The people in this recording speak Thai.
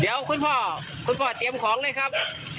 เดี๋ยวคุณพ่อคุณพ่อเตรียมของเลยครับ